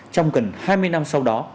trong gần hai mươi năm sau đó